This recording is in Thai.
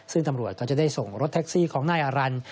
ซึ่งตำรวจก็จะได้ส่งรถแท็กซี่ของนายอารันทร์